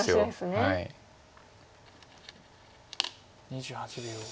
２８秒。